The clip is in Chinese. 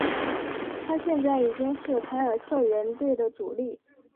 他现在已经是凯尔特人队的主力。